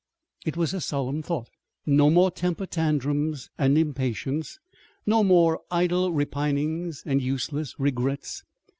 It was a solemn thought. No more tempers, tantrums, and impatience. No more idle repinings and useless regrets.